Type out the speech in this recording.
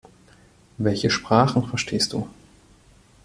Welche Sprachen verstehst du?